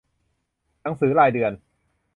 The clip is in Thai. หนังสือรายเดือน